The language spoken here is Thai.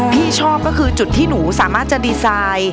พี่ชอบก็คือจุดที่หนูสามารถจะดีไซน์